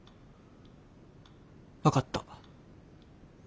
分かった。